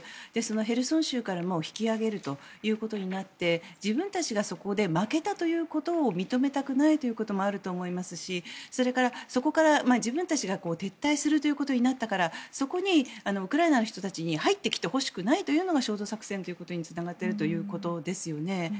ヘルソン州から引き揚げるということになって自分たちがそこで負けたということを認めたくないということもあると思いますしそこから自分たちが撤退するということになったからそこにウクライナの人たちに入ってきてほしくないというのが焦土作戦ということにつながっているということですよね。